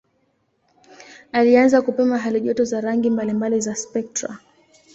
Alianza kupima halijoto za rangi mbalimbali za spektra.